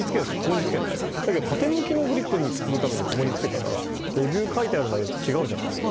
でも、縦向きのグリップをつけるためにここにつけたらレビューに書いてある内容と違うじゃないですか。